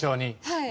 はい。